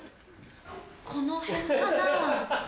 この辺かな？